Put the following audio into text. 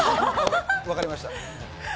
分かりました。